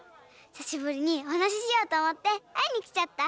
ひさしぶりにおはなししようとおもってあいにきちゃった！